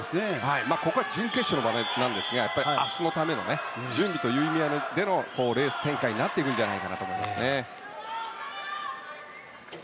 ここは準決勝の場面なんですが明日のための準備という意味でのレース展開になっていくんじゃないかと思います。